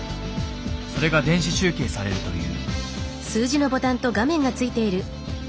それが電子集計されるという。